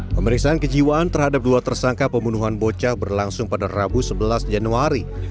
pemeriksaan kejiwaan terhadap dua tersangka pembunuhan bocah berlangsung pada rabu sebelas januari